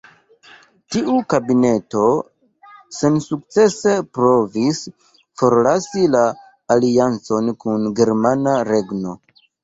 Tiu kabineto sensukcese provis forlasi la aliancon kun Germana Regno.